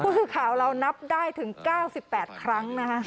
ผู้ชื่อข่าวเรานับได้ถึงเก้าสิบแปดครั้งนะคะ